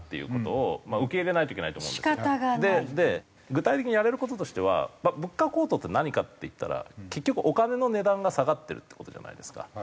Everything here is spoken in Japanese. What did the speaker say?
具体的にやれる事としては物価高騰って何かっていったら結局お金の値段が下がってるって事じゃないですか。